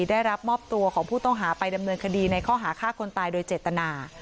ได้รับมอบตัวของผู้ต้องหาไปดำเนินคดีในข้อหาฆ่าคนตายโดยเจตนา